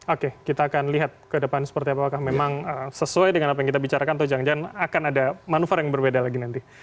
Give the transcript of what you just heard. oke kita akan lihat ke depan seperti apakah memang sesuai dengan apa yang kita bicarakan atau jangan jangan akan ada manuver yang berbeda lagi nanti